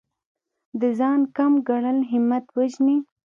د ځان کم ګڼل همت وژني.